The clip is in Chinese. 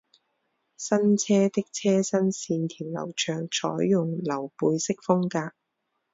新车的车身线条流畅，采用溜背式风格